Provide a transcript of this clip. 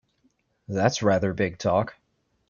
That's rather big talk!